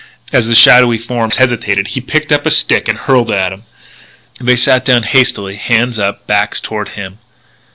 As the shadowy forms hesitated, he picked up a stick and hurled it at them. They sat down hastily, hands up, backs toward him.